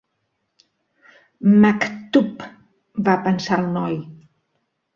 "Maktub", va pensar el noi.